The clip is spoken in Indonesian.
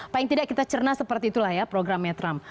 paling tidak kita cerna seperti itulah ya programnya trump